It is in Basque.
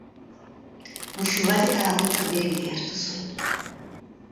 Musu bat eta bakoitzak bere bidea hartu zuen.